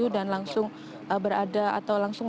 dan langsung berada atau langsung